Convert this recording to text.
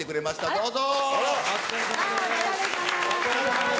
どうぞ。